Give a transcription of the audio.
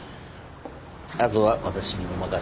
あとは私にお任せ。